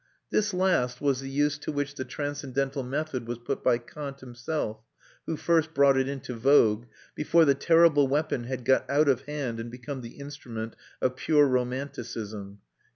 This last was the use to which the transcendental method was put by Kant himself, who first brought it into vogue, before the terrible weapon had got out of hand, and become the instrument of pure romanticism.